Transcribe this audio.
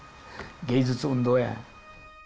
芸術運動や。